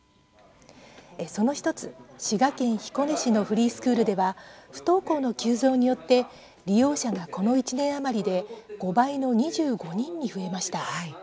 その１つ、滋賀県彦根市のフリースクールでは不登校の急増によって利用者がこの１年余りで５倍の２５人に増えました。